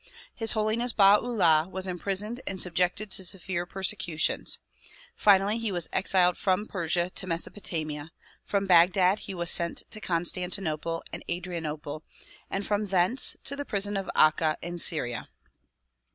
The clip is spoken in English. His Holiness Baha 'Ullah was imprisoned and subjected to severe persecutions. Finally he was exiled from Persia to Mesopotamia ; from Baghdad he was sent to Constantinople and Adrianople and from thence to the prison of Akka in Syria.